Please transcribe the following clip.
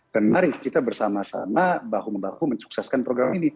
dan mari kita bersama sama bahu bahu mensukseskan program ini